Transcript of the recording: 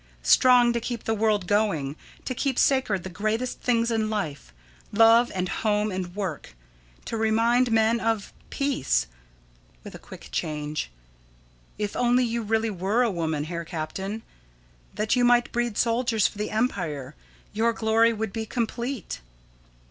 Strong to keep the world going, to keep sacred the greatest things in life love and home and work. To remind men of peace. [With a quick change.] If only you really were a woman, Herr Captain, that you might breed soldiers for the empire, your glory would be complete.